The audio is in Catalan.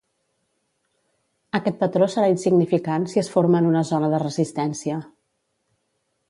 Aquest patró serà insignificant si es forma en una zona de resistència.